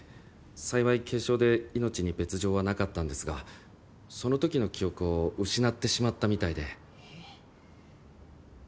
幸い軽傷で命に別条はなかったんですがその時の記憶を失ってしまったみたいで。